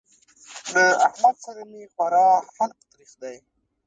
له احمد سره مې خورا حلق تريخ دی.